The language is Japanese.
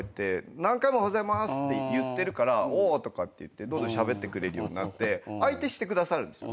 何回も「おはようございます」って言ってるから「おう」とかって言ってどんどんしゃべってくれるようになって相手してくださるんですよね。